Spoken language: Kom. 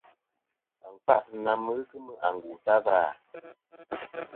Wa n-kfâʼtɨ̀ na mɨ n-ghɨ kɨmɨ àngù ta va à?